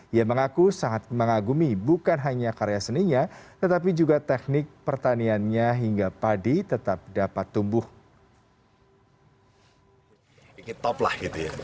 ia mengaku sangat mengagumi bukan hanya karya seninya tetapi juga teknik pertaniannya hingga padi tetap dapat tumbuh